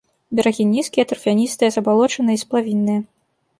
Берагі нізкія, тарфяністыя, забалочаныя і сплавінныя.